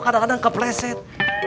kadang kadang kepleset